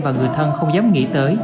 và người thân không dám nghĩ tới